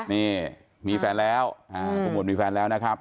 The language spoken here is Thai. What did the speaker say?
นี่มีแฟนแล้วคุณหมดมีแฟนแล้วนะครับ